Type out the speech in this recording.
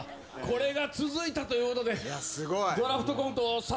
これが続いたということで。